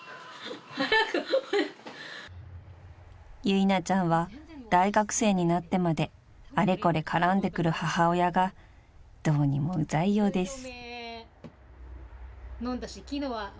［由奈ちゃんは大学生になってまであれこれ絡んでくる母親がどうにもウザいようです］